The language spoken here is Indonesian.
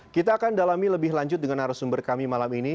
kita akan dalami lebih lanjut dengan arah sumber kami malam ini